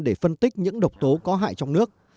để phân tích những độc tố có hại trong nước